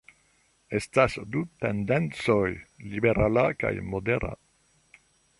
Estas du tendencoj: liberala kaj modera.